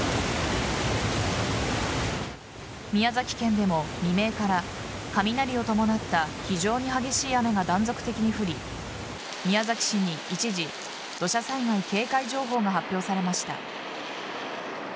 宮崎県でも未明から雷を伴った非常に激しい雨が断続的に降り宮崎市に一時土砂災害警戒情報が発表されました。